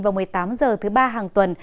vào một mươi tám h thứ ba hàng tuần